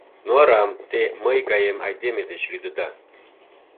Но арам те мый гаем айдеме деч лӱдыда.